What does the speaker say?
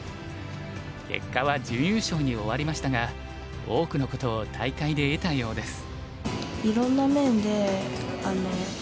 結果は準優勝に終わりましたが多くのことを大会で得たようです。